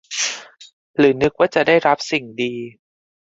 หรือนึกว่าจะได้รับสิ่งดี